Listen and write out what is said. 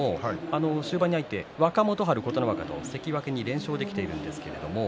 終盤に入って若元春、琴ノ若関脇に連勝です。